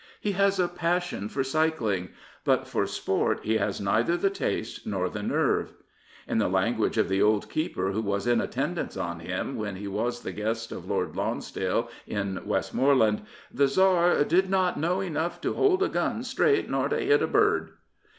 He has a passion for cycling; but for sport he has neither the taste nor the nerve. In the language of the old keeper who was in attendance on him when he was the guest of Lord Lonsdale in Westmorland, the Tsar " did not know enough to hold a gun straight nor to hit a bird."